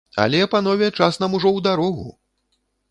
Але, панове, час нам ужо ў дарогу!